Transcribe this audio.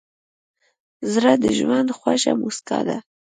زړه د ژوند خوږه موسکا ده.